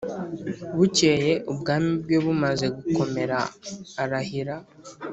Bukeye ubwami bwe bumaze gukomera arahira